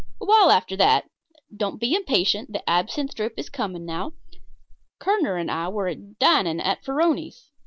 A while after that don't be impatient, the absinthe drip is coming now Kerner and I were dining at Farroni's.